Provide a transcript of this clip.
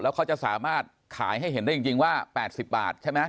เขาจะสามารถขายให้เห็นได้จริงว่า๘๐บาทใช่ไหม